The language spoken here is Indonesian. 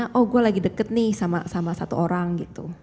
saya lagi dekat nih sama satu orang gitu